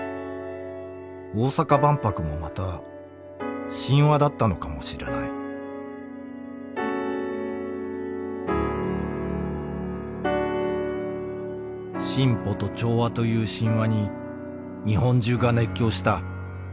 大阪万博もまた神話だったのかもしれない「進歩と調和」という神話に日本中が熱狂した。